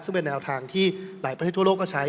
ซึ่งเป็นแนวทางที่หลายประเทศทั่วโลกก็ใช้